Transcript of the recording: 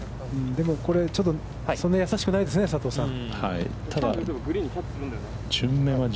でもこれ、ちょっとそんな易しくないですね、佐藤さん。